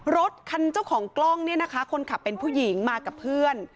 รถคันเจ้าของกล้องเนี่ยนะคะคนขับเป็นผู้หญิงมากับเพื่อน